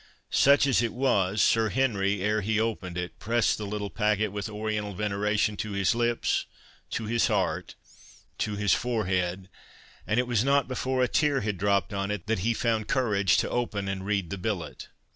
Such as it was, Sir Henry ere he opened it pressed the little packet with oriental veneration to his lips, to his heart, to his forehead; and it was not before a tear had dropt on it that he found courage to open and read the billet.